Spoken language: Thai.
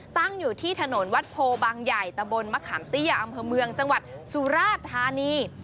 ตั้งอยู่ที่ถนนวัดโพบางใหญ่ตะบนมะขามเตี้ยอำเภอเมืองจังหวัดสุราธานี